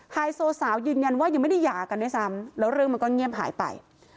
ไฮโซสาวยืนยันว่ายังไม่ได้หย่ากันด้วยซ้ำแล้วเรื่องมันก็เงียบหายไป